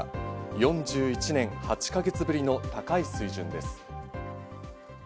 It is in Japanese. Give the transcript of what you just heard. ４１年８か月ぶりの高い水準です。